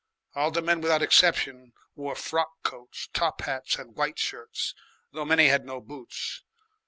All the men without exception wore frock coats, top hats, and white shirts, though many had no boots.